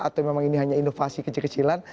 atau memang ini hanya inovasi kecil kecilan